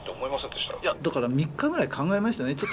いやだから３日ぐらい考えましたね。